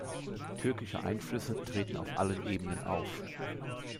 Türkische Einflüsse treten auf allen Ebenen auf.